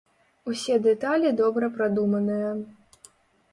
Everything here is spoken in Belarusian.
Усе дэталі добра прадуманыя.